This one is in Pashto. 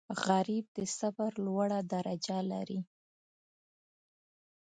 غریب د صبر لوړه درجه لري